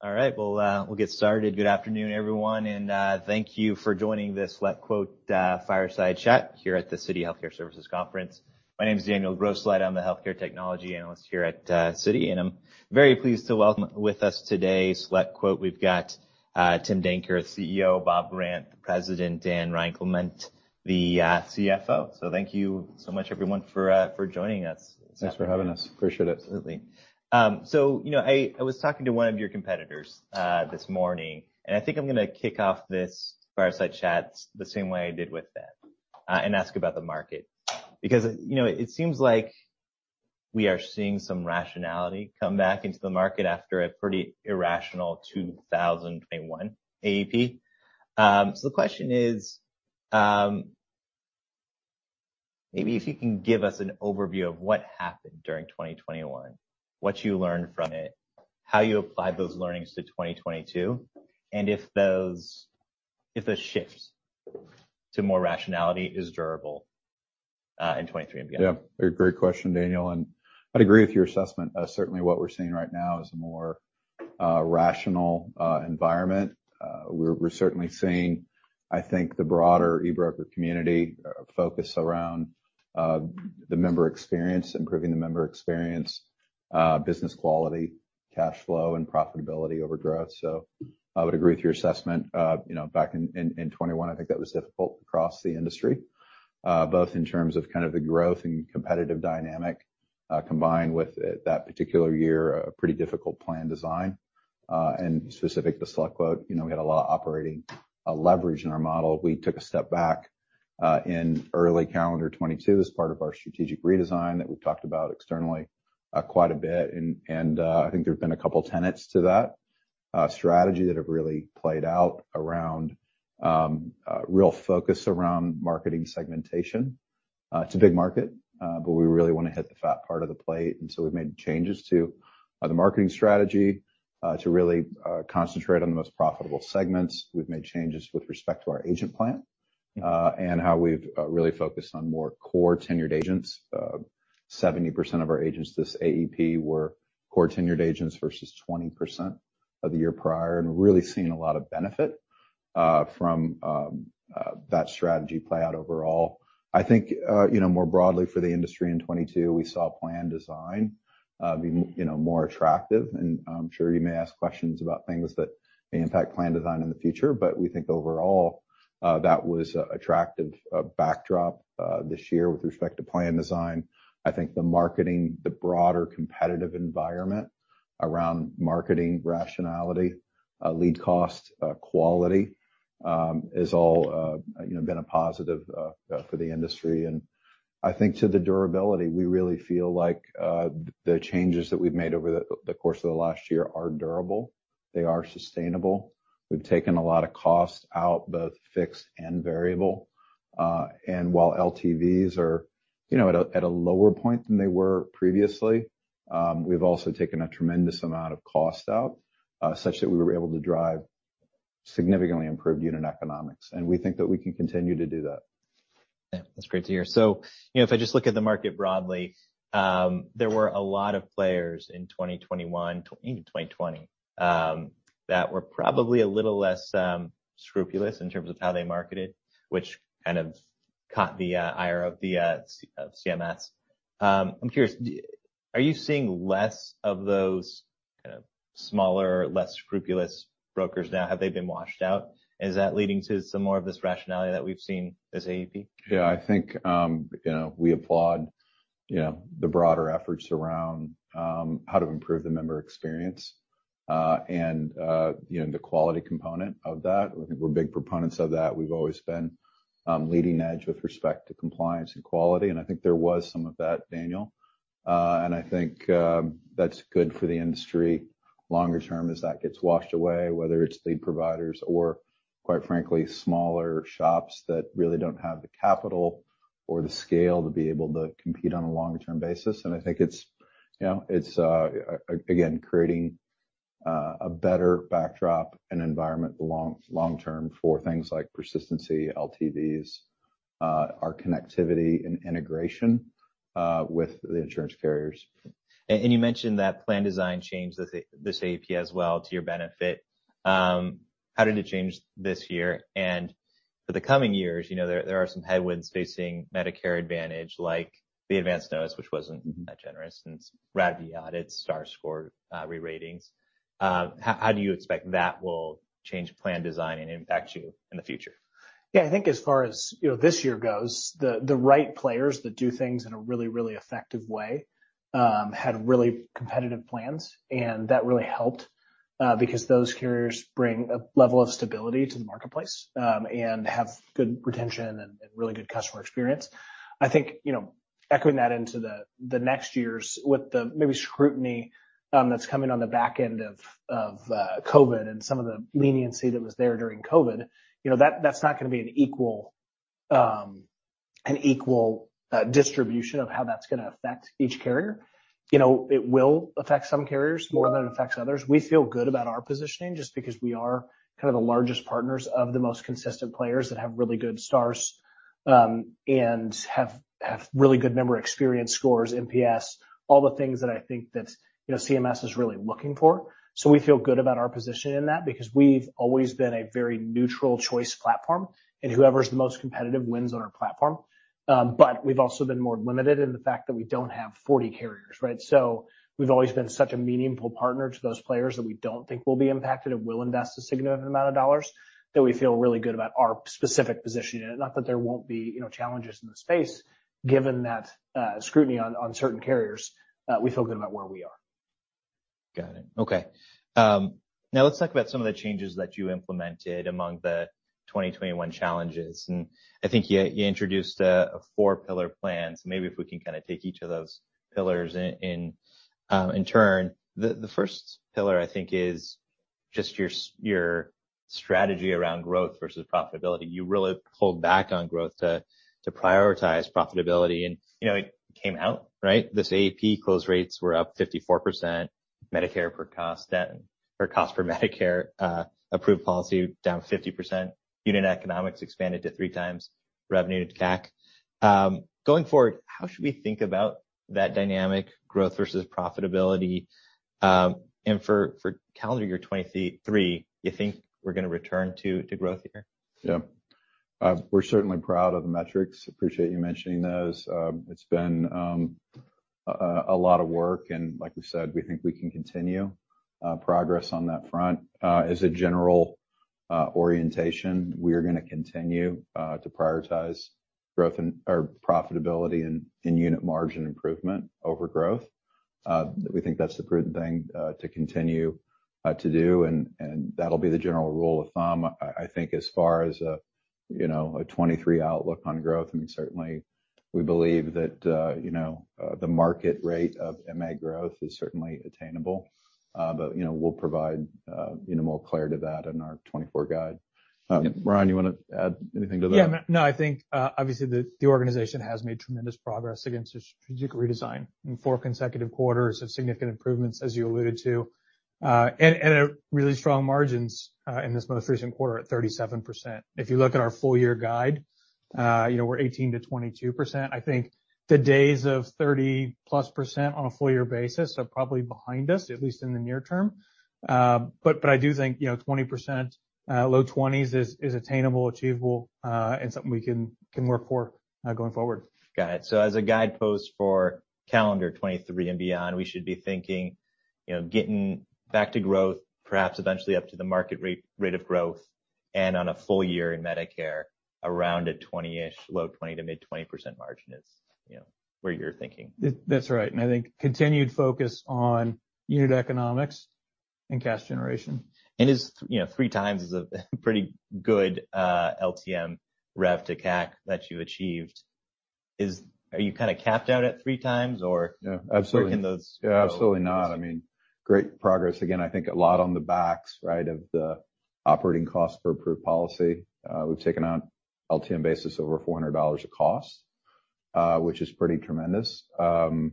All right. Well, we'll get started. Good afternoon, everyone, and thank you for joining this SelectQuote fireside chat here at the Citi Healthcare Services Conference. My name is Daniel Grosslight. I'm the healthcare technology analyst here at Citi, and I'm very pleased to welcome with us today SelectQuote. We've got Tim Danker, CEO, Bob Grant, the President, Ryan Clement, the CFO. Thank you so much everyone for joining us. Thanks for having us. Appreciate it. Absolutely. You know, I was talking to one of your competitors this morning, and I think I'm gonna kick off this fireside chat the same way I did with them, and ask about the market. You know, it seems like we are seeing some rationality come back into the market after a pretty irrational 2021 AEP. The question is, maybe if you can give us an overview of what happened during 2021, what you learned from it, how you applied those learnings to 2022, and if a shift to more rationality is durable, in 2023. A great question, Daniel, and I'd agree with your assessment. Certainly what we're seeing right now is a more rational environment. We're, we're certainly seeing, I think, the broader e-broker community focus around the member experience, improving the member experience, business quality, cash flow and profitability over growth. I would agree with your assessment. You know, back in 2021, I think that was difficult across the industry, both in terms of kind of the growth and competitive dynamic, combined with, at that particular year, a pretty difficult plan design, and specific to SelectQuote. You know, we had a lot of operating leverage in our model. We took a step back, in early calendar 2022 as part of our strategic redesign that we've talked about externally, quite a bit, and I think there have been a couple tenets to that strategy that have really played out around real focus around marketing segmentation. It's a big market, but we really wanna hit the fat part of the plate, and so we've made changes to the marketing strategy to really concentrate on the most profitable segments. We've made changes with respect to our agent plan, and how we've really focused on more core tenured agents. 70% of our agents this AEP were core tenured agents versus 20% of the year prior, and we're really seeing a lot of benefit from that strategy play out overall. I think, you know, more broadly for the industry in 2022, we saw plan design, be, you know, more attractive. I'm sure you may ask questions about things that may impact plan design in the future, but we think overall, that was an attractive, backdrop, this year with respect to plan design. I think the marketing, the broader competitive environment around marketing rationality, lead cost, quality, is all, you know, been a positive, for the industry. I think to the durability, we really feel like, the changes that we've made over the course of the last year are durable, they are sustainable. We've taken a lot of cost out, both fixed and variable. While LTVs are, you know, at a lower point than they were previously, we've also taken a tremendous amount of cost out, such that we were able to drive significantly improved unit economics, and we think that we can continue to do that. Yeah. That's great to hear. you know, if I just look at the market broadly, there were a lot of players in 2021 to even 2020, that were probably a little less scrupulous in terms of how they marketed, which kind of caught the ire of the CMS. I'm curious, are you seeing less of those kind of smaller, less scrupulous brokers now? Have they been washed out? Is that leading to some more of this rationality that we've seen this AEP? Yeah. I think we applaud the broader efforts around how to improve the member experience, and the quality component of that. I think we're big proponents of that. We've always been leading edge with respect to compliance and quality. I think there was some of that, Daniel. I think that's good for the industry longer term as that gets washed away, whether it's the providers or quite frankly, smaller shops that really don't have the capital or the scale to be able to compete on a longer term basis. I think it's again creating a better backdrop and environment long term for things like persistency, LTVs, our connectivity and integration with the insurance carriers. You mentioned that plan design changed this AEP as well to your benefit. How did it change this year? For the coming years, you know, there are some headwinds facing Medicare Advantage, like the Advance Notice, which wasn't that generous, and it's RADV and added Star Rating, re-ratings. How do you expect that will change plan design and impact you in the future? I think as far as, you know, this year goes, the right players that do things in a really, really effective way, had really competitive plans, and that really helped, because those carriers bring a level of stability to the marketplace, and have good retention and really good customer experience. I think, you know, echoing that into the next years with the maybe scrutiny, that's coming on the back end of COVID and some of the leniency that was there during COVID, you know, that's not gonna be an equal, an equal distribution of how that's gonna affect each carrier. You know, it will affect some carriers more than it affects others. We feel good about our positioning just because we are kind of the largest partners of the most consistent players that have really good star and have really good member experience scores, NPS, all the things that I think that's, you know, CMS is really looking for. We feel good about our position in that because we've always been a very neutral choice platform and whoever's the most competitive wins on our platform. We've also been more limited in the fact that we don't have 40 carriers, right? We've always been such a meaningful partner to those players that we don't think will be impacted and will invest a significant amount of dollars that we feel really good about our specific position in it. Not that there won't be, you know, challenges in the space given that, scrutiny on certain carriers, we feel good about where we are. Got it. Okay. Now let's talk about some of the changes that you implemented among the 2021 challenges. I think you introduced a four-pillar plan. Maybe if we can kinda take each of those pillars in turn. The first pillar I think is just your strategy around growth versus profitability. You really pulled back on growth to prioritize profitability and, you know, it came out, right? This AEP close rates were up 54%. Medicare per cost then or cost per Medicare approved policy down 50%. Unit economics expanded to three times revenue to CAC. Going forward, how should we think about that dynamic growth versus profitability? For calendar year 2023, you think we're gonna return to growth here? Yeah. We're certainly proud of the metrics. Appreciate you mentioning those. It's been a lot of work and like we said, we think we can continue progress on that front. As a general orientation, we are gonna continue to prioritize profitability and unit margin improvement over growth. We think that's the prudent thing to continue to do, and that'll be the general rule of thumb. I think as far as a, you know, a 2023 outlook on growth, I mean, certainly we believe that, you know, the market rate of MA growth is certainly attainable. You know, we'll provide, you know, more clarity to that in our 2024 guide. Ryan, you wanna add anything to that? Yeah. No, I think, obviously the organization has made tremendous progress against the strategic redesign in four consecutive quarters of significant improvements, as you alluded to. Really strong margins in this most recent quarter at 37%. If you look at our full year guide, you know, we're 18%-22%. I think the days of 30%+ on a full year basis are probably behind us, at least in the near term. I do think, you know, 20%, low 20s is attainable, achievable, and something we can work for going forward. Got it. As a guidepost for calendar 2023 and beyond, we should be thinking, you know, getting back to growth, perhaps eventually up to the market rate of growth and on a full year in Medicare around a 20-ish, low 20%-mid 20% margin is, you know, where you're thinking. That's right. I think continued focus on unit economics and cash generation. Is, you know, three times is a pretty good LTM rev to CAC that you achieved. Are you kinda capped out at three times or? No, absolutely. Working. Yeah, absolutely not. I mean, great progress. Again, I think a lot on the backs, right, of the operating costs per approved policy. We've taken on LTM basis over $400 of cost, which is pretty tremendous. LTV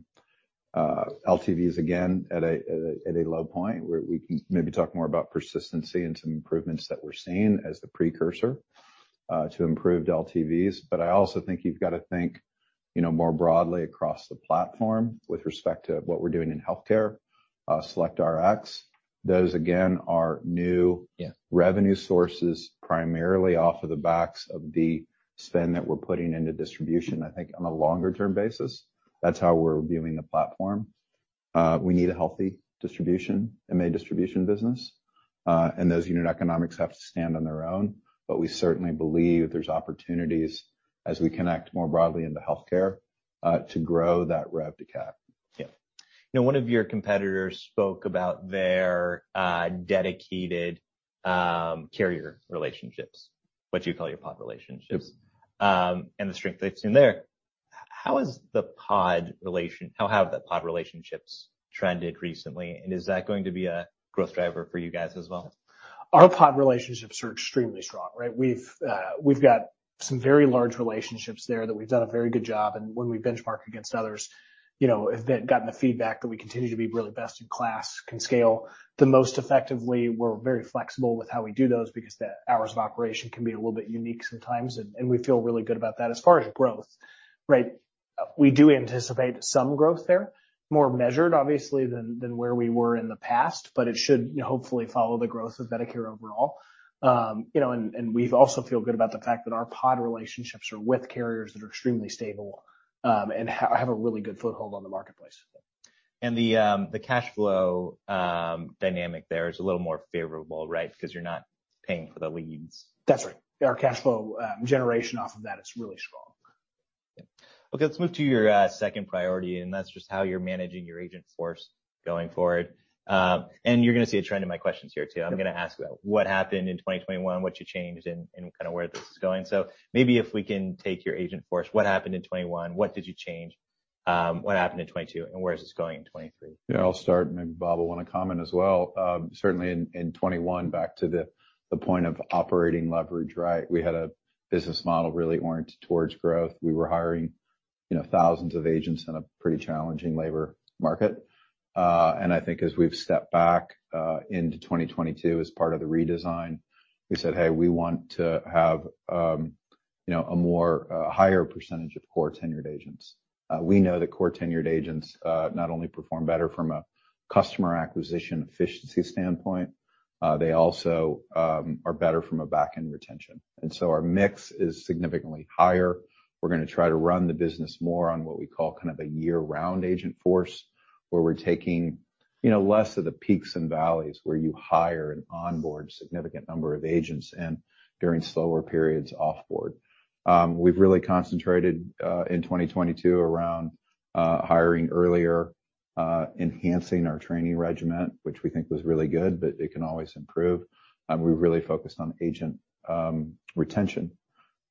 is again at a low point where we can maybe talk more about persistency and some improvements that we're seeing as the precursor to improved LTVs. I also think you've got to think, you know, more broadly across the platform with respect to what we're doing in healthcare, SelectRx. Those again are new. Yeah. revenue sources, primarily off of the backs of the spend that we're putting into distribution, I think on a longer term basis. That's how we're viewing the platform. We need a healthy distribution, MA distribution business, and those unit economics have to stand on their own. We certainly believe there's opportunities as we connect more broadly into healthcare, to grow that rev to CAC. Yeah. One of your competitors spoke about their dedicated carrier relationships, what you call your pod relationships. Yes. The strength they've seen there. How have the pod relationships trended recently, and is that going to be a growth driver for you guys as well? Our pod relationships are extremely strong, right. We've got some very large relationships there that we've done a very good job, and when we benchmark against others, you know, have then gotten the feedback that we continue to be really best in class, can scale the most effectively. We're very flexible with how we do those because the hours of operation can be a little bit unique sometimes, and we feel really good about that. As far as growth, right, we do anticipate some growth there. More measured, obviously, than where we were in the past, but it should, you know, hopefully follow the growth of Medicare overall. You know, we also feel good about the fact that our pod relationships are with carriers that are extremely stable, and have a really good foothold on the marketplace. The cash flow dynamic there is a little more favorable, right? 'Cause you're not paying for the leads. That's right. Our cash flow, generation off of that is really strong. Okay, let's move to your second priority, and that's just how you're managing your agent force going forward. You're gonna see a trend in my questions here too. I'm gonna ask about what happened in 2021, what you changed, and kinda where this is going. Maybe if we can take your agent force, what happened in 2021? What did you change? What happened in 2022? Where is this going in 2023? Yeah, I'll start, and maybe Bob will wanna comment as well. Certainly in 2021, back to the point of operating leverage, right? We had a business model really oriented towards growth. We were hiring. You know, thousands of agents in a pretty challenging labor market. I think as we've stepped back into 2022 as part of the redesign, we said, "Hey, we want to have, you know, a higher percentage of core tenured agents." We know that core tenured agents not only perform better from a customer acquisition efficiency standpoint, they also are better from a back-end retention. Our mix is significantly higher. We're gonna try to run the business more on what we call kind of a year-round agent force, where we're taking, you know, less of the peaks and valleys where you hire and onboard significant number of agents and during slower periods off board. We've really concentrated in 2022 around hiring earlier, enhancing our training regiment, which we think was really good, but it can always improve. We really focused on agent retention.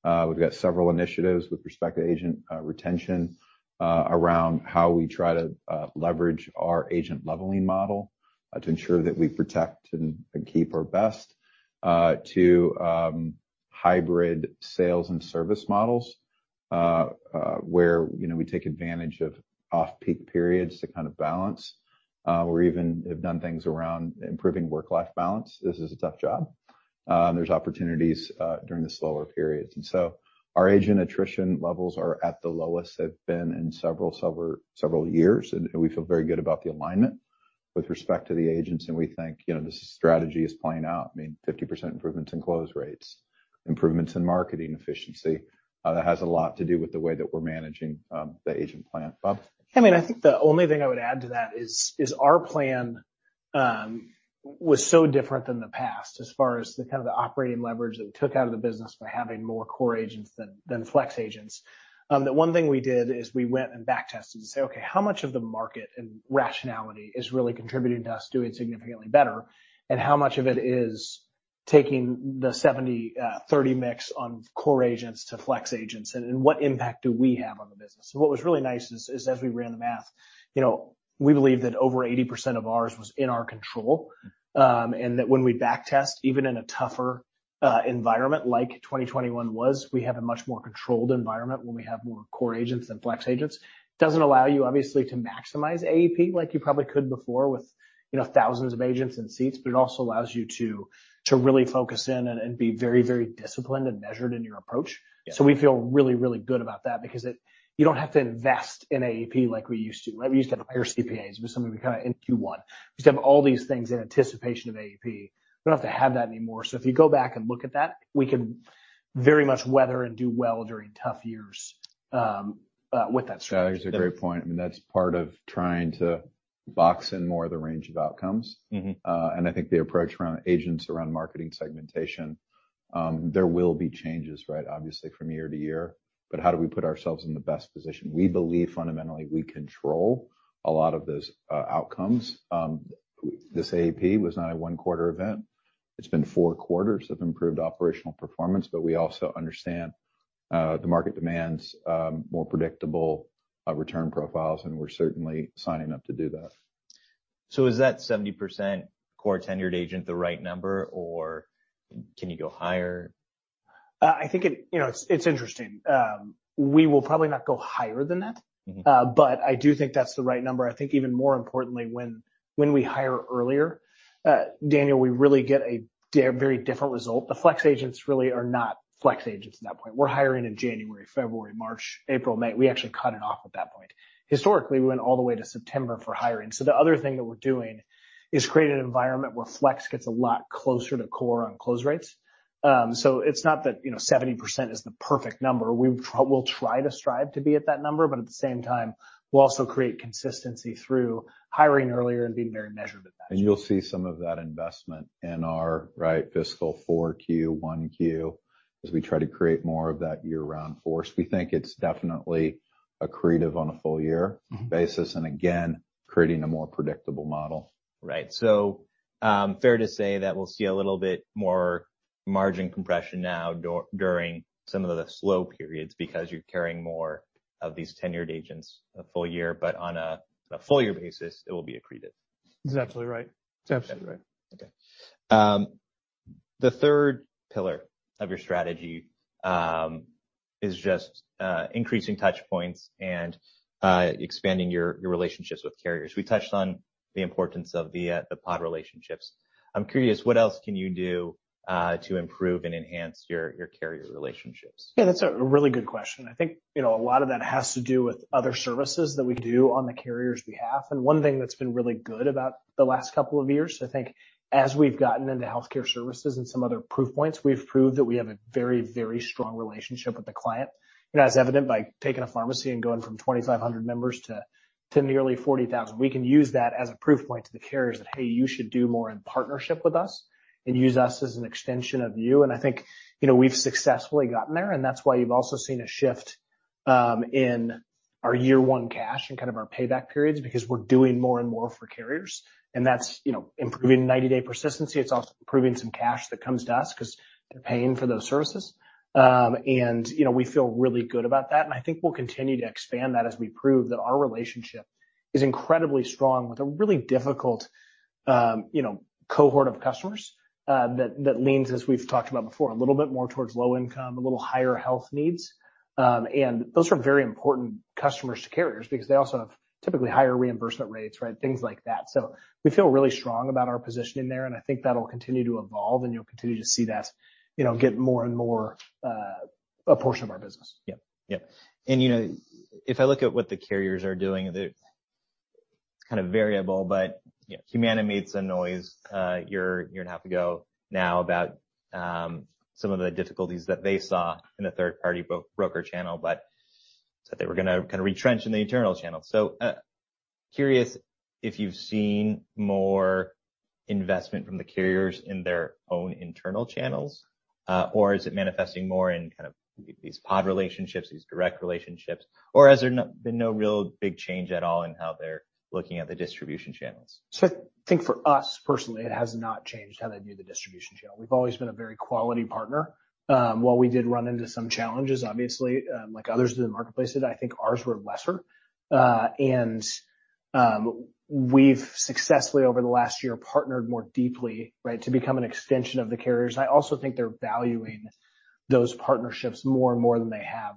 We've got several initiatives with respect to agent retention around how we try to leverage our agent leveling model to ensure that we protect and keep our best to hybrid sales and service models where, you know, we take advantage of off-peak periods to kind of balance or even have done things around improving work-life balance. This is a tough job. There's opportunities during the slower periods. Our agent attrition levels are at the lowest they've been in several years, and we feel very good about the alignment with respect to the agents, and we think, you know, the strategy is playing out. 50% improvements in close rates, improvements in marketing efficiency, that has a lot to do with the way that we're managing the agent plan. Bob? I mean, I think the only thing I would add to that is our plan, was so different than the past as far as the kind of the operating leverage that we took out of the business by having more core agents than flex agents. The one thing we did is we went and back tested to say, "Okay, how much of the market and rationality is really contributing to us doing significantly better, and how much of it is taking the 70/30 mix on core agents to flex agents, and what impact do we have on the business?" What was really nice is as we ran the math, you know, we believe that over 80% of ours was in our control, and that when we back test, even in a tougher environment like 2021 was, we have a much more controlled environment when we have more core agents than flex agents. It doesn't allow you, obviously, to maximize AEP like you probably could before with, you know, thousands of agents and seats, but it also allows you to really focus in and be very disciplined and measured in your approach. Yeah. We feel really, really good about that because you don't have to invest in AEP like we used to. We used to hire CPAs with some of the kind of in Q1. We used to have all these things in anticipation of AEP. We don't have to have that anymore. If you go back and look at that, we can very much weather and do well during tough years with that strategy. That is a great point. I mean, that's part of trying to box in more of the range of outcomes. I think the approach around agents, around marketing segmentation, there will be changes, right? Obviously from year to year, how do we put ourselves in the best position? We believe fundamentally we control a lot of those outcomes. This AEP was not a one quarter event. It's been four quarters of improved operational performance, we also understand the market demands more predictable return profiles, and we're certainly signing up to do that. Is that 70% core tenured agent the right number, or can you go higher? I think it, you know, it's interesting. We will probably not go higher than that. I do think that's the right number. I think even more importantly, when we hire earlier, Daniel, we really get a very different result. The flex agents really are not flex agents at that point. We're hiring in January, February, March, April, May. We actually cut it off at that point. Historically, we went all the way to September for hiring. The other thing that we're doing is create an environment where flex gets a lot closer to core on close rates. It's not that, you know, 70% is the perfect number. We'll try to strive to be at that number, but at the same time, we'll also create consistency through hiring earlier and being very measured with that. You'll see some of that investment in our, right, fiscal 4Q, 1Q, as we try to create more of that year-round force. We think it's definitely accretive on a full year-... basis, and again, creating a more predictable model. Right. Fair to say that we'll see a little bit more margin compression now during some of the slow periods because you're carrying more of these tenured agents a full year, but on a full year basis, it will be accretive. He's absolutely right. Okay. The third pillar of your strategy is just increasing touch points and expanding your relationships with carriers. We touched on the importance of the pod relationships. I'm curious, what else can you do to improve and enhance your carrier relationships? Yeah, that's a really good question. I think, you know, a lot of that has to do with other services that we do on the carriers' behalf. One thing that's been really good about the last couple of years, I think as we've gotten into healthcare services and some other proof points, we've proved that we have a very strong relationship with the client. As evident by taking a pharmacy and going from 2,500 members to nearly 40,000. We can use that as a proof point to the carriers that, "Hey, you should do more in partnership with us and use us as an extension of you." I think, you know, we've successfully gotten there, and that's why you've also seen a shift in our year one cash and kind of our payback periods because we're doing more and more for carriers. That's, you know, improving 90-day persistency. It's also improving some cash that comes to us 'cause they're paying for those services. You know, we feel really good about that, and I think we'll continue to expand that as we prove that our relationship is incredibly strong with a really difficult, you know, cohort of customers that leans, as we've talked about before, a little bit more towards low income, a little higher health needs. Those are very important customers to carriers because they also have typically higher reimbursement rates, right? Things like that. We feel really strong about our position in there, and I think that'll continue to evolve, and you'll continue to see that, you know, get more and more a portion of our business. Yeah. Yeah. You know, if I look at what the carriers are doing, it's kind of variable, but, you know, Humana made some noise, year and a half ago now about some of the difficulties that they saw in the third-party broker channel, but said they were gonna kind of retrench in the internal channel. Curious if you've seen more investment from the carriers in their own internal channels, or is it manifesting more in kind of these pod relationships, these direct relationships? Has there been no real big change at all in how they're looking at the distribution channels? I think for us personally, it has not changed how they view the distribution channel. We've always been a very quality partner. While we did run into some challenges, obviously, like others in the marketplaces, I think ours were lesser. We've successfully over the last year, partnered more deeply, right, to become an extension of the carriers. I also think they're valuing those partnerships more and more than they have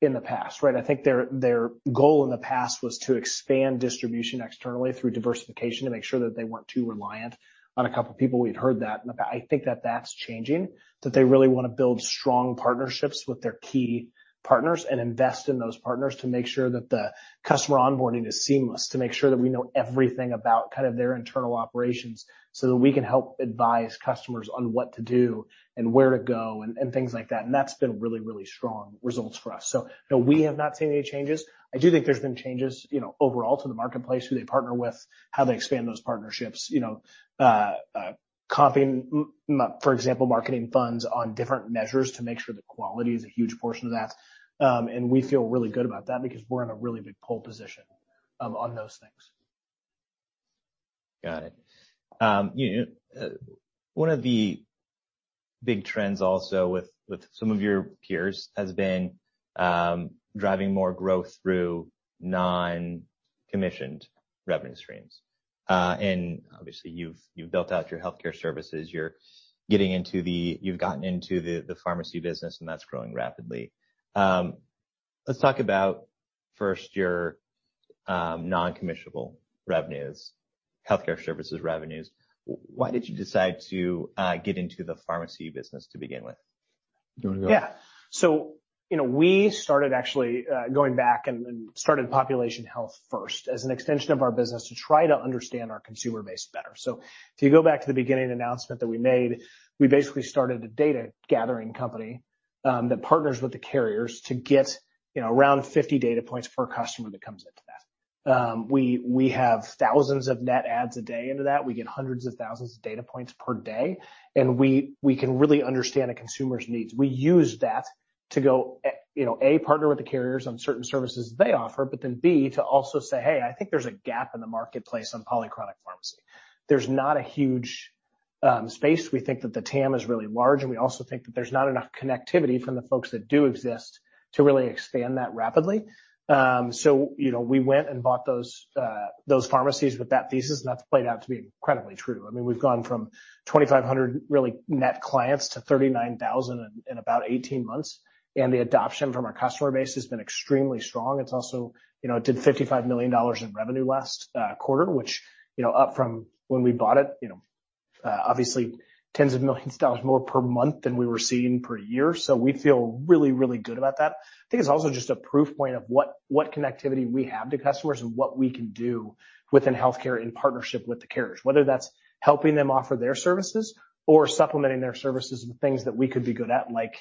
in the past, right? I think their goal in the past was to expand distribution externally through diversification to make sure that they weren't too reliant on a couple people. We'd heard that. I think that that's changing, that they really wanna build strong partnerships with their key partners and invest in those partners to make sure that the customer onboarding is seamless, to make sure that we know everything about kind of their internal operations, so that we can help advise customers on what to do and where to go and things like that. That's been really, really strong results for us. No, we have not seen any changes. I do think there's been changes, you know, overall to the marketplace, who they partner with, how they expand those partnerships. You know, copying, for example, marketing funds on different measures to make sure the quality is a huge portion of that. We feel really good about that because we're in a really big pole position on those things. Got it. You know, one of the big trends also with some of your peers has been driving more growth through non-commissioned revenue streams. Obviously, you've built out your healthcare services. You've gotten into the pharmacy business, and that's growing rapidly. Let's talk about first your non-commissionable revenues, healthcare services revenues. Why did you decide to get into the pharmacy business to begin with? Do you wanna go? You know, we started actually going back and started Population Health first as an extension of our business to try to understand our consumer base better. If you go back to the beginning announcement that we made, we basically started a data gathering company that partners with the carriers to get, you know, around 50 data points per customer that comes into that. We have thousands of net adds a day into that. We get hundreds of thousands of data points per day, and we can really understand a consumer's needs. We use that to go, you know, A, partner with the carriers on certain services they offer, but then B, to also say, "Hey, I think there's a gap in the marketplace on polychronic pharmacy." There's not a huge space. We think that the TAM is really large. We also think that there's not enough connectivity from the folks that do exist to really expand that rapidly. You know, we went and bought those pharmacies with that thesis, and that's played out to be incredibly true. I mean, we've gone from 2,500 really net clients to 39,000 in about 18 months. The adoption from our customer base has been extremely strong. It's also, you know, it did $55 million in revenue last quarter, which, you know, up from when we bought it, you know, obviously tens of millions of dollars more per month than we were seeing per year. We feel really, really good about that. I think it's also just a proof point of what connectivity we have to customers and what we can do within healthcare in partnership with the carriers, whether that's helping them offer their services or supplementing their services with things that we could be good at, like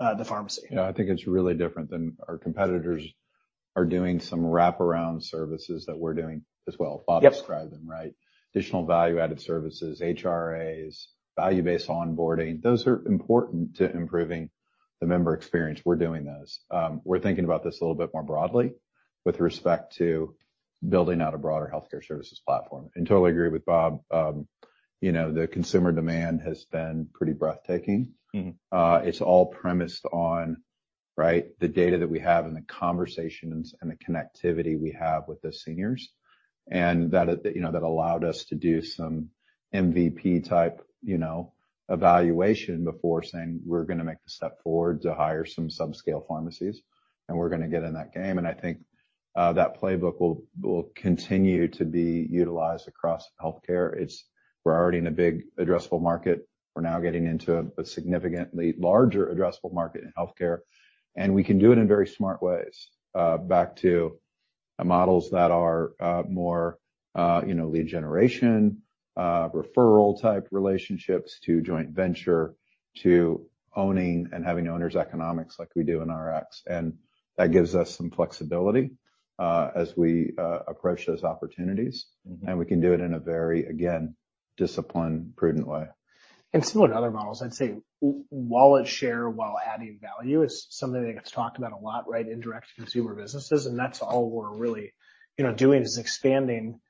the pharmacy. Yeah. I think it's really different than our competitors are doing some wraparound services that we're doing as well. Yep. Bob described them, right? Additional value-added services, HRAs, value-based onboarding. Those are important to improving the member experience. We're doing those. We're thinking about this a little bit more broadly with respect to building out a broader healthcare services platform. Totally agree with Bob, you know, the consumer demand has been pretty breathtaking. It's all premised on, right, the data that we have and the conversations and the connectivity we have with the seniors. That allowed us to do some MVP type evaluation before saying, we're gonna make the step forward to hire some subscale pharmacies, and we're gonna get in that game. I think that playbook will continue to be utilized across healthcare. We're already in a big addressable market. We're now getting into a significantly larger addressable market in healthcare, and we can do it in very smart ways. back to models that are more lead generation, referral type relationships to joint venture, to owning and having owners' economics like we do in RX. That gives us some flexibility as we approach those opportunities. We can do it in a very, again, disciplined, prudent way. Similar to other models, I'd say wallet share while adding value is something that gets talked about a lot, right, in direct to consumer businesses. That's all we're really, you know, doing, is expanding.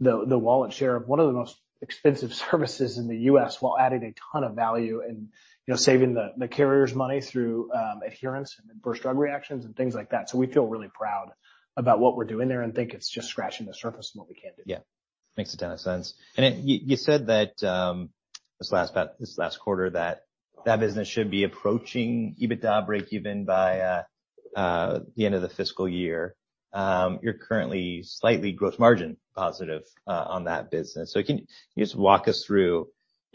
The wallet share of one of the most expensive services in the U.S. while adding a ton of value and, you know, saving the carriers money through adherence and adverse drug reactions and things like that. We feel really proud about what we're doing there and think it's just scratching the surface in what we can do. Yeah. Makes a ton of sense. You said that, this last quarter, that business should be approaching EBITDA breakeven by the end of the fiscal year. You're currently slightly gross margin positive on that business. Can you just walk us through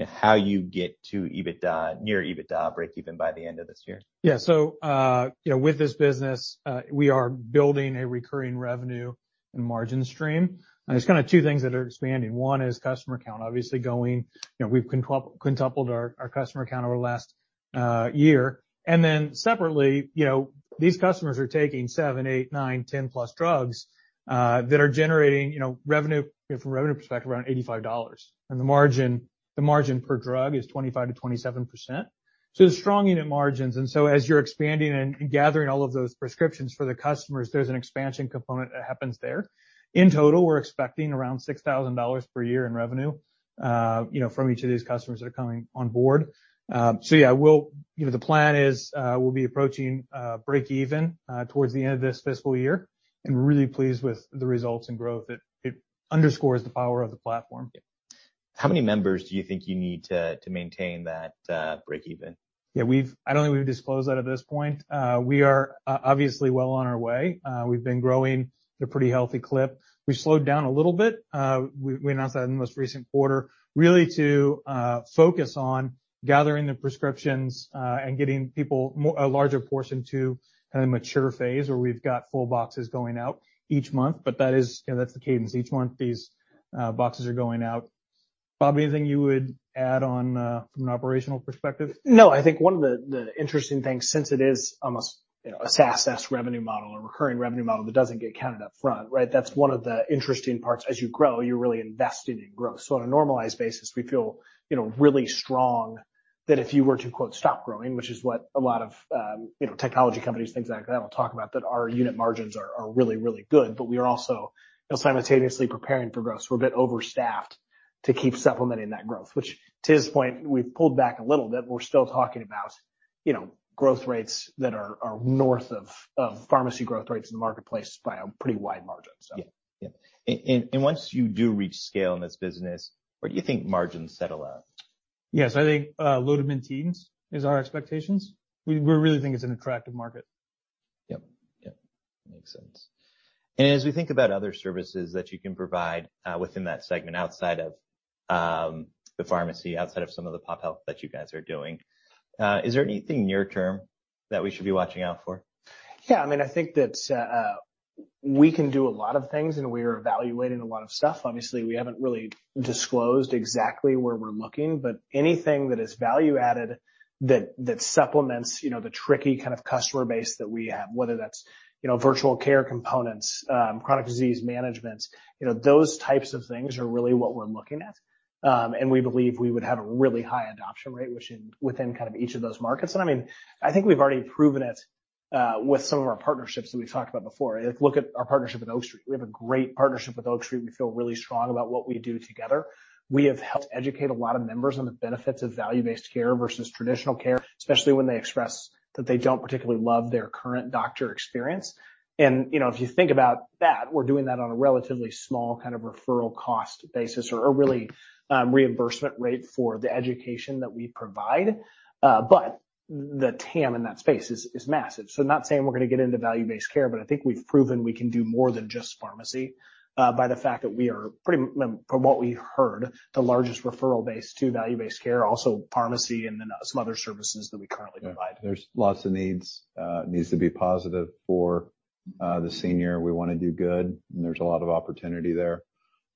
how you get to EBITDA, near EBITDA breakeven by the end of this year? Yeah. you know, with this business, we are building a recurring revenue and margin stream. There's kind of two things that are expanding. One is customer count, obviously going, you know, we've quintupled our customer count over the last year. Separately, you know, these customers are taking seven, eight, nine, 10+ drugs that are generating, you know, revenue, you know, from a revenue perspective, around $85. The margin per drug is 25%-27%. There's strong unit margins. As you're expanding and gathering all of those prescriptions for the customers, there's an expansion component that happens there. In total, we're expecting around $6,000 per year in revenue, you know, from each of these customers that are coming on board. Yeah, You know, the plan is, we'll be approaching, breakeven, towards the end of this fiscal year, and we're really pleased with the results and growth. It underscores the power of the platform. Yeah. How many members do you think you need to maintain that breakeven? I don't think we've disclosed that at this point. We are obviously well on our way. We've been growing at a pretty healthy clip. We slowed down a little bit, we announced that in the most recent quarter, really to focus on gathering the prescriptions, and getting people a larger portion to a mature phase where we've got full boxes going out each month. That is, you know, that's the cadence. Each month, these boxes are going out. Bob, anything you would add on from an operational perspective? I think one of the interesting things, since it is almost, you know, a SaaS revenue model, a recurring revenue model that doesn't get counted up front, right? That's one of the interesting parts. As you grow, you're really investing in growth. On a normalized basis, we feel, you know, really strong that if you were to, quote, "stop growing," which is what a lot of, you know, technology companies, things like that will talk about, that our unit margins are really, really good. We are also simultaneously preparing for growth. We're a bit overstaffed to keep supplementing that growth. Which to his point, we've pulled back a little bit, but we're still talking about, you know, growth rates that are north of pharmacy growth rates in the marketplace by a pretty wide margin. Yeah. Yeah. Once you do reach scale in this business, where do you think margins settle at? Yes. I think, low to mid-teens is our expectations. We really think it's an attractive market. Yep. Makes sense. As we think about other services that you can provide, within that segment, outside of, the pharmacy, outside of some of the pop health that you guys are doing, is there anything near term that we should be watching out for? Yeah, I mean, I think that we can do a lot of things, we are evaluating a lot of stuff. Obviously, we haven't really disclosed exactly where we're looking, but anything that is value added that supplements, you know, the tricky kind of customer base that we have, whether that's, you know, virtual care components, chronic disease management, you know, those types of things are really what we're looking at. We believe we would have a really high adoption rate within kind of each of those markets. I mean, I think we've already proven it with some of our partnerships that we've talked about before. Look at our partnership with Oak Street. We have a great partnership with Oak Street. We feel really strong about what we do together. We have helped educate a lot of members on the benefits of value-based care versus traditional care, especially when they express that they don't particularly love their current doctor experience. You know, if you think about that, we're doing that on a relatively small kind of referral cost basis or a really, reimbursement rate for the education that we provide. The TAM in that space is massive. Not saying we're gonna get into value-based care, but I think we've proven we can do more than just pharmacy, by the fact that we are pretty from what we heard, the largest referral base to value-based care, also pharmacy and then some other services that we currently provide. There's lots of needs to be positive for the senior. We wanna do good, and there's a lot of opportunity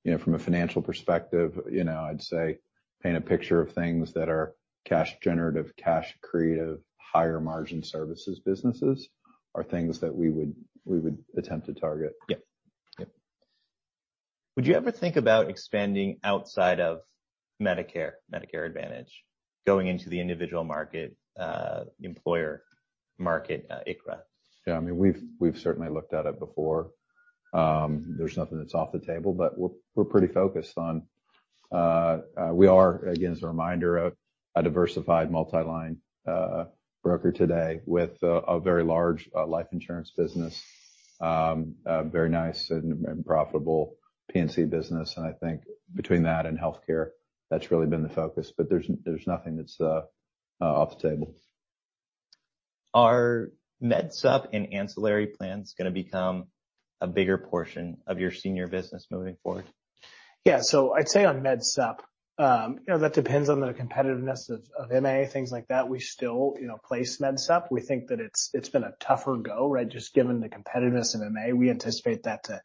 there. You know, from a financial perspective, you know, I'd say paint a picture of things that are cash generative, cash creative, higher margin services businesses are things that we would attempt to target. Yep. Yep. Would you ever think about expanding outside of Medicare Advantage, going into the individual market, employer market, ICHRA? Yeah, I mean, we've certainly looked at it before. There's nothing that's off the table, but we're pretty focused on, we are, again, as a reminder, a diversified multi-line broker today with a very large life insurance business, a very nice and profitable P&C business. I think between that and healthcare, that's really been the focus. There's nothing that's off the table. Are MedSup and ancillary plans gonna become a bigger portion of your senior business moving forward? I'd say on MedSup, you know, that depends on the competitiveness of MA, things like that. We still, you know, place MedSup. We think that it's been a tougher go, right, just given the competitiveness in MA. We anticipate that to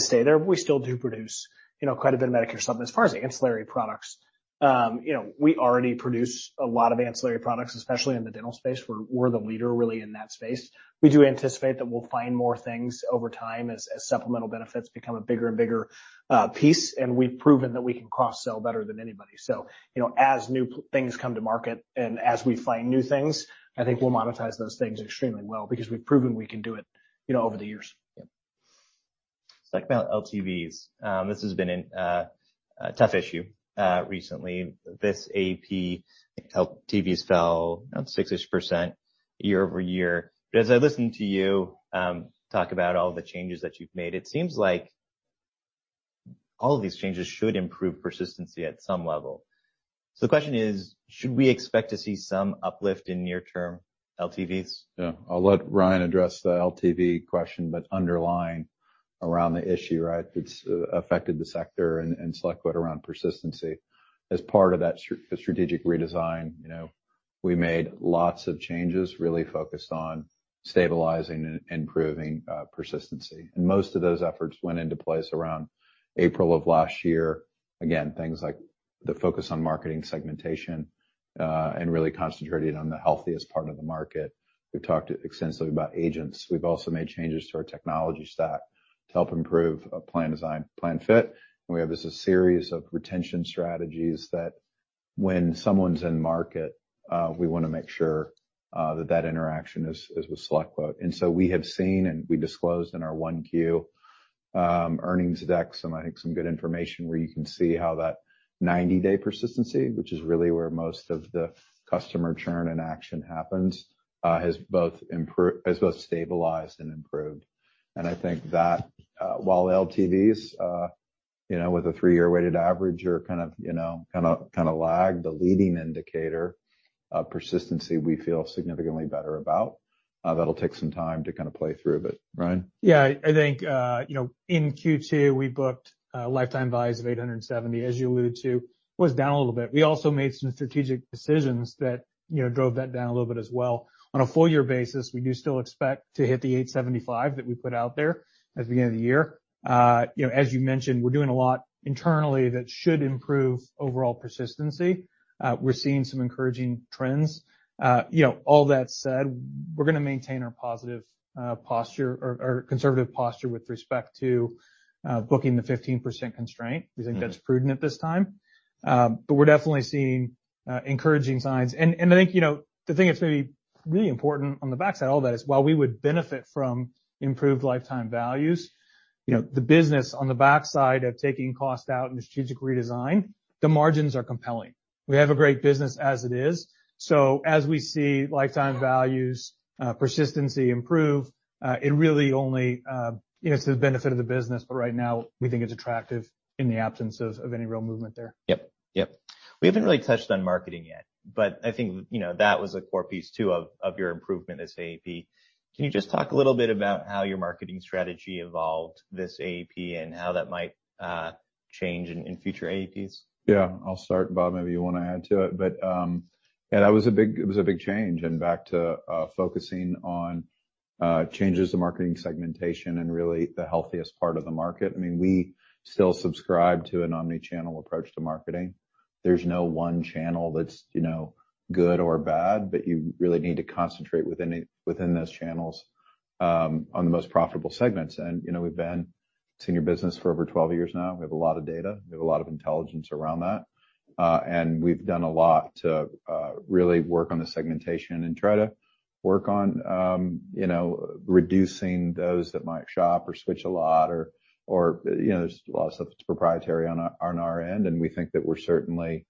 stay there. We still do produce, you know, quite a bit of Medicare Supplement. As far as ancillary products, you know, we already produce a lot of ancillary products, especially in the dental space. We're the leader really in that space. We do anticipate that we'll find more things over time as supplemental benefits become a bigger and bigger piece. We've proven that we can cross-sell better than anybody. You know, as new things come to market and as we find new things, I think we'll monetize those things extremely well because we've proven we can do it, you know, over the years. About LTVs, this has been a tough issue recently. This AEP LTVs fell about 6-ish% year-over-year. As I listen to you talk about all the changes that you've made, it seems like all of these changes should improve persistency at some level. The question is, should we expect to see some uplift in near term LTVs? Yeah. I'll let Ryan address the LTV question. Underlying around the issue, right, that's affected the sector and SelectQuote around persistency. As part of that strategic redesign, you know, we made lots of changes really focused on stabilizing and improving persistency. Most of those efforts went into place around April of last year. Again, things like the focus on marketing segmentation and really concentrating on the healthiest part of the market. We've talked extensively about agents. We've also made changes to our technology stack to help improve plan design, plan fit. We have this series of retention strategies that when someone's in market, we wanna make sure that that interaction is with SelectQuote. We have seen, and we disclosed in our 1Q earnings deck some, I think, some good information where you can see how that 90-day persistency, which is really where most of the customer churn and action happens, has both stabilized and improved. I think that, while LTVs, you know, with a 3-year weighted average are kind of, you know, kinda lag the leading indicator of persistency we feel significantly better about, that'll take some time to kinda play through. Ryan? Yeah. I think, you know, in Q2, we booked, lifetime buys of 870, as you alluded to, was down a little bit. We also made some strategic decisions that, you know, drove that down a little bit as well. On a full year basis, we do still expect to hit the 875 that we put out there at the beginning of the year. you know, as you mentioned, we're doing a lot internally that should improve overall persistency. We're seeing some encouraging trends. you know, all that said, we're gonna maintain our positive, posture or conservative posture with respect to, booking the 15% constraint. We think that's prudent at this time. We're definitely seeing encouraging signs. I think, you know, the thing that's gonna be really important on the backside of all that is while we would benefit from improved lifetime values, you know, the business on the backside of taking cost out and strategic redesign, the margins are compelling. We have a great business as it is. As we see lifetime values, persistency improve, it really only, you know, it's the benefit of the business, but right now we think it's attractive in the absence of any real movement there. Yep. Yep. We haven't really touched on marketing yet. I think, you know, that was a core piece too of your improvement as AEP. Can you just talk a little bit about how your marketing strategy evolved this AEP and how that might change in future AEPs? Yeah. I'll start, Bob, maybe you wanna add to it. Yeah, that was a big change and back to focusing on changes to marketing segmentation and really the healthiest part of the market. I mean, we still subscribe to an omni-channel approach to marketing. There's no one channel that's, you know, good or bad, but you really need to concentrate within those channels on the most profitable segments. You know, we've been in your business for over 12 years now. We have a lot of data. We have a lot of intelligence around that. We've done a lot to really work on the segmentation and try to work on, you know, reducing those that might shop or switch a lot or, you know, there's lots of stuff that's proprietary on our end, and we think that we're certainly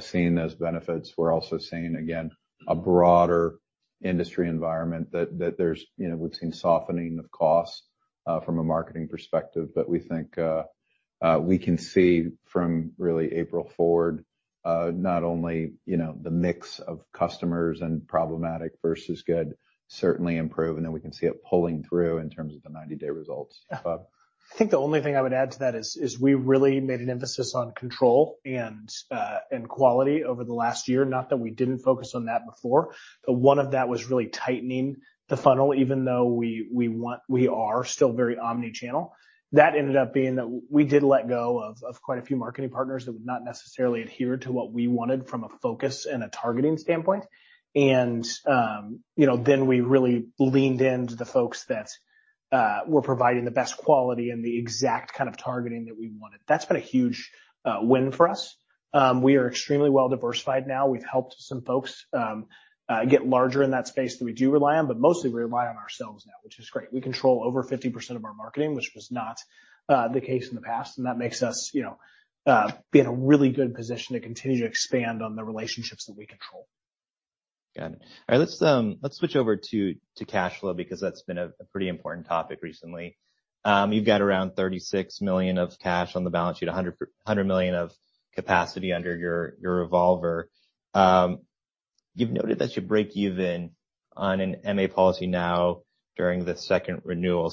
seeing those benefits. We're also seeing, again, a broader industry environment that there's, you know, we've seen softening of costs from a marketing perspective. We think we can see from really April forward, not only, you know, the mix of customers and problematic versus good certainly improve, and then we can see it pulling through in terms of the 90-day results. Bob. I think the only thing I would add to that is, we really made an emphasis on control and quality over the last year. Not that we didn't focus on that before, but one of that was really tightening the funnel even though we are still very omni-channel. That ended up being that we did let go of quite a few marketing partners that would not necessarily adhere to what we wanted from a focus and a targeting standpoint. You know, then we really leaned into the folks that were providing the best quality and the exact kind of targeting that we wanted. That's been a huge win for us. We are extremely well diversified now. We've helped some folks, get larger in that space that we do rely on, but mostly we rely on ourselves now, which is great. We control over 50% of our marketing, which was not, the case in the past, and that makes us, you know, be in a really good position to continue to expand on the relationships that we control. Got it. All right. Let's switch over to cash flow because that's been a pretty important topic recently. You've got around $36 million of cash on the balance sheet, $100 million of capacity under your revolver. You've noted that you break even on an MA policy now during the second renewal.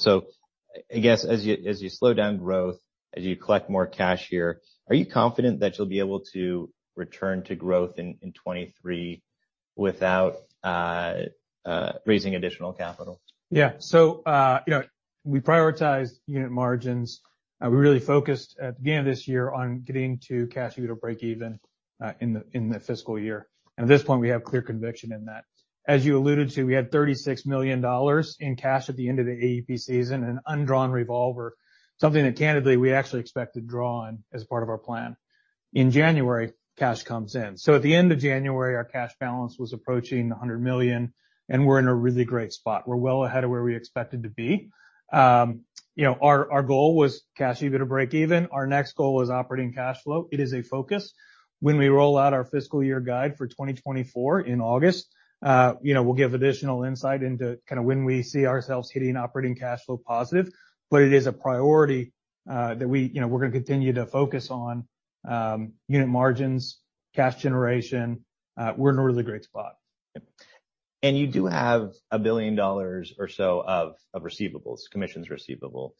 I guess as you slow down growth, as you collect more cash here, are you confident that you'll be able to return to growth in 2023 without raising additional capital? Yeah. You know, we prioritize unit margins. We really focused at the beginning of this year on getting to cash either break even in the fiscal year. At this point, we have clear conviction in that. As you alluded to, we had $36 million in cash at the end of the AEP season and undrawn revolver, something that candidly we actually expect to draw on as part of our plan. In January, cash comes in. At the end of January, our cash balance was approaching $100 million, and we're in a really great spot. We're well ahead of where we expected to be. You know, our goal was cash either to break even. Our next goal was operating cash flow. It is a focus. When we roll out our fiscal year guide for 2024 in August, you know, we'll give additional insight into kind of when we see ourselves hitting operating cash flow positive. It is a priority that we, you know, we're gonna continue to focus on unit margins, cash generation. We're in a really great spot. Yep. You do have $1 billion or so of receivables, commissions receivable.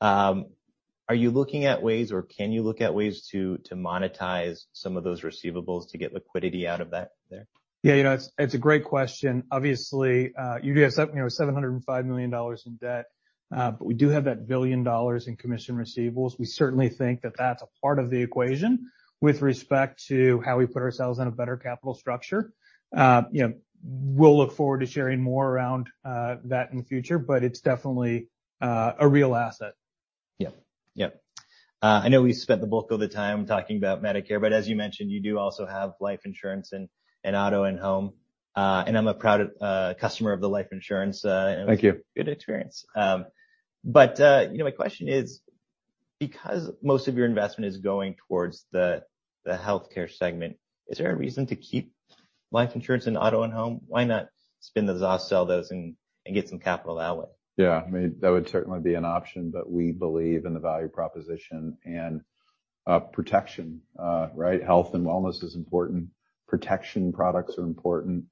Are you looking at ways or can you look at ways to monetize some of those receivables to get liquidity out of that there? You know, it's a great question. Obviously, you do have you know, $705 million in debt, but we do have that $1 billion in commission receivables. We certainly think that that's a part of the equation with respect to how we put ourselves in a better capital structure. You know, we'll look forward to sharing more around that in the future, but it's definitely a real asset. Yep. Yep. I know we spent the bulk of the time talking about Medicare, but as you mentioned, you do also have life insurance and auto and home. I'm a proud customer of the life insurance. Thank you. Good experience. you know, my question is, because most of your investment is going towards the healthcare segment, is there a reason to keep life insurance and auto and home? Why not spin those off, sell those, and get some capital that way? Yeah. I mean, that would certainly be an option, we believe in the value proposition and protection, right? Health and wellness is important. Protection products are important.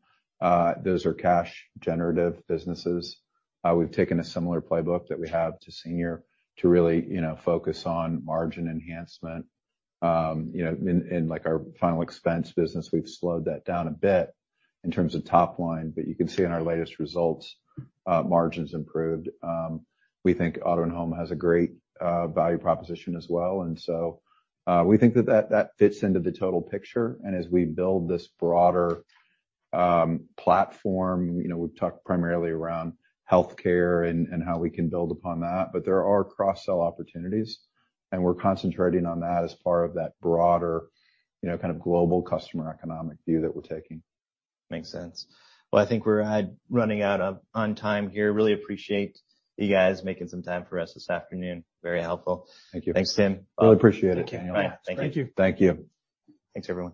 Those are cash generative businesses. We've taken a similar playbook that we have to senior to really, you know, focus on margin enhancement. You know, in like our final expense business, we've slowed that down a bit in terms of top line. You can see in our latest results, margins improved. We think auto and home has a great value proposition as well. We think that fits into the total picture. As we build this broader platform, you know, we've talked primarily around healthcare and how we can build upon that, but there are cross-sell opportunities, and we're concentrating on that as part of that broader, you know, kind of global customer economic view that we're taking. Makes sense. Well, I think we're running out of time here. Really appreciate you guys making some time for us this afternoon. Very helpful. Thank you. Thanks, Tim. Really appreciate it, Daniel. All right. Thank you. Thank you. Thank you. Thanks, everyone.